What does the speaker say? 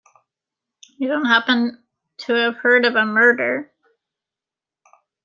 You don't happen to have heard of a murder?